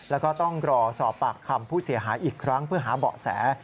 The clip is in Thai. แล้วก็ต้องรอสอบปากคำผู้เสียหายอีกครั้งเพื่อหาเบาะแส